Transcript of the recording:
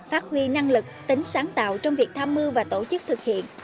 phát huy năng lực tính sáng tạo trong việc tham mưu và tổ chức thực hiện